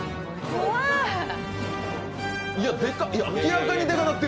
怖い。